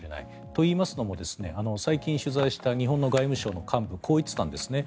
といいますのも、最近取材した日本の外務省の幹部はこう言っていたんですね。